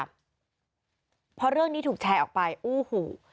เพราะเรื่องนี้ถูกแชร์ออกไปอู้หู